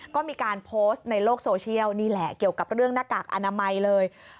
ก็มีการโพสต์ในโลกโซเชียลนี่แหละเกี่ยวกับเรื่องหน้ากากอนามัยเลย